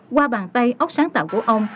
qua bàn tay ốc sáng tạo của ông